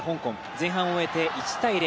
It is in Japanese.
前半を終えて１−０。